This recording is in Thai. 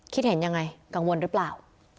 คิดเห็นยังไงกังวลหรือเปล่า